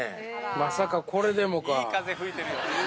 まさかこれでもか。